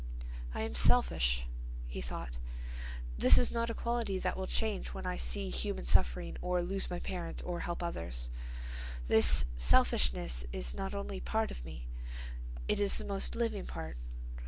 "I am selfish," he thought. "This is not a quality that will change when I 'see human suffering' or 'lose my parents' or 'help others.' "This selfishness is not only part of me. It is the most living part.